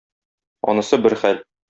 Анысы бер хәл.